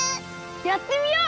やってみよう！